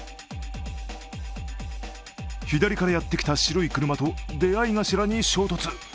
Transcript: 左からやってきた白い車と出会い頭に衝突。